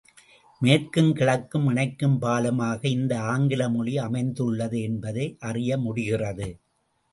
மேற்கும் கிழக்கும் இணைக்கும் பாலமாக இந்த ஆங்கில மொழி அமைந்துள்ளது என்பதை அறிய முடிகிறது.